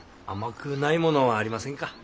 甘くないものはありませんか？